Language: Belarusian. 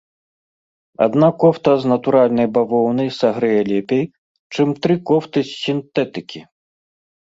Адна кофта з натуральнай бавоўны сагрэе лепей, чым тры кофты з сінтэтыкі.